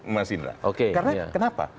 mas indra karena kenapa